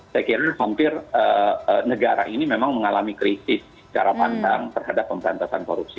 saya kira hampir negara ini memang mengalami krisis cara pandang terhadap pemberantasan korupsi